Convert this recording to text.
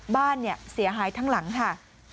บ้านเสียหายทั้งหลังค่ะ